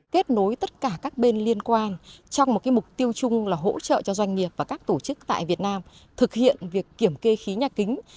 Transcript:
kết nối tất cả các bên liên quan trong một mục tiêu chung là hỗ trợ cho doanh nghiệp và các tổ chức tại việt nam thực hiện việc kiểm kê khí nhà kính